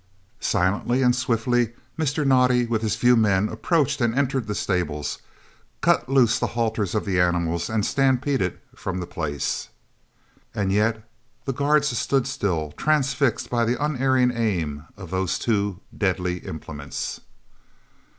Swiftly and silently Mr. Naudé, with his few men, approached and entered the stables, cut loose the halters of the animals, and stampeded from the place. And yet the guard stood still, transfixed by the unerring aim of those two deadly implements.